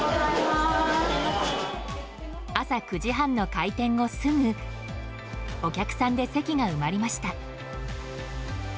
朝９時半の開店後すぐお客さんで席が埋まりました。